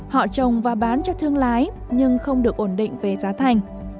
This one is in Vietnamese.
họ trồng và bán cho thương lái nhưng không được ổn định về giá thành